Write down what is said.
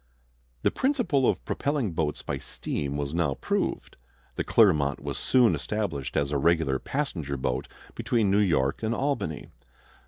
The principle of propelling boats by steam was now proved. The Clermont was soon established as a regular passenger boat between New York and Albany.